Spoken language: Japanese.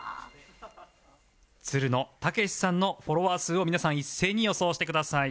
つるの剛士さんのフォロワー数を皆さん一斉に予想してください